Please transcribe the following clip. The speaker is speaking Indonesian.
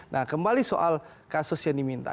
nah kembali soal kasus yang diminta